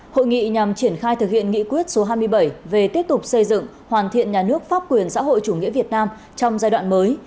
hội nghị nhằm triển khai thực hiện nghị quyết số hai mươi bảy về tiếp tục xây dựng hoàn thiện nhà nước pháp quyền xã hội chủ nghĩa việt nam trong giai đoạn mới